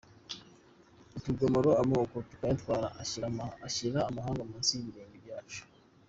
Atugomōrera amoko tukayatwara, Ashyira amahanga munsi y’ibirenge byacu.